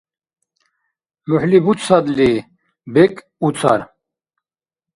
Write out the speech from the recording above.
МухӀли буцадли, бекӀ уцар.